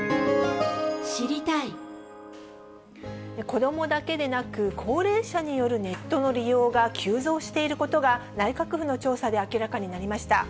子どもだけでなく、高齢者によるネットの利用が急増していることが、内閣府の調査で明らかになりました。